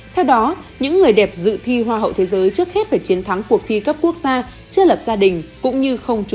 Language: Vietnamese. theo đó những người đẹp dự thi hoa hậu thế giới trước hết phải chiến thắng cuộc thi cấp quốc gia